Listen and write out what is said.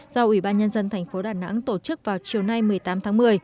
do ủy ban nhân dân thành phố đà nẵng tổ chức vào chiều nay một mươi tám tháng một mươi